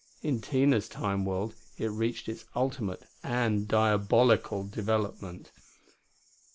In Tina's Time world it reached its ultimate and diabolical development....